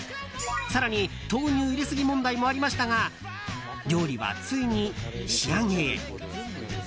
更に豆乳入れすぎ問題もありましたが料理はついに仕上げへ。